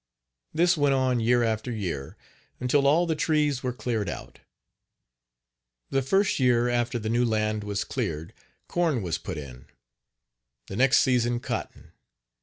This went on, year after year, until all the trees were cleared out. The first year after the new land was Page 37 cleared corn was put in, the next season cotton.